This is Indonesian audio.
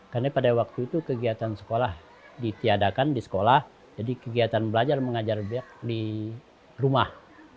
karena pada waktu itu kegiatan sekolah ditiadakan di sekolah jadi kegiatan belajar mengajar di rumah